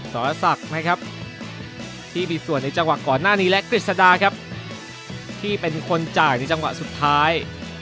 สรษะสักที่มีส่วนในจังหวะก่อนหน้านี้และกฤษฎาที่เป็นคนจ่ายในจังหวะสุดท้าย